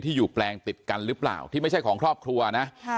อยู่แปลงติดกันหรือเปล่าที่ไม่ใช่ของครอบครัวนะ